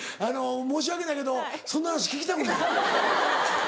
申し訳ないけどそんな話聞きたくない。